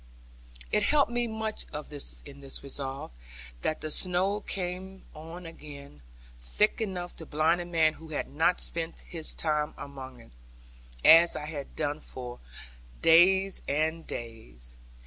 It helped me much in this resolve, that the snow came on again, thick enough to blind a man who had not spent his time among it, as I had done now for days and days.